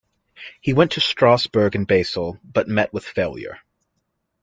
He went to Strasburg and Basel, but met with failure.